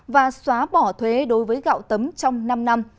và xóa bỏ thuế đối với gạo tấm trong năm năm